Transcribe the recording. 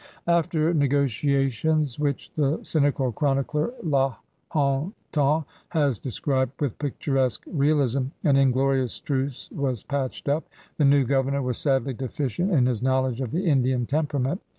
94 CRUSADERS OF NEW FRANCE After n^^tiations which the cynical chronicler La Hontan has described with picturesque realism, an inglorious truce was patched up. The new governor was sadly deficient in his knowledge of the Indian temperament.